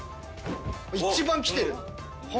一番来てる。